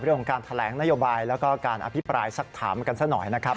เรื่องของการแถลงนโยบายแล้วก็การอภิปรายสักถามกันซะหน่อยนะครับ